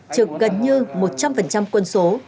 trực gần như một trăm linh quân số